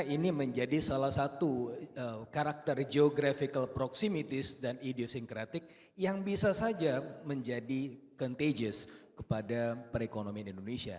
ini menjadi salah satu karakter geographical proximitis dan ideosinkratik yang bisa saja menjadi contagious kepada perekonomian indonesia